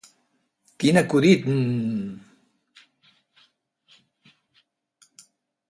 Quin acudit m